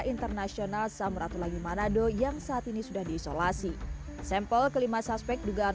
internasional samratulagi manado yang saat ini sudah diisolasi sampel kelima suspek dugaan